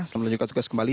selamat jika tugas kembali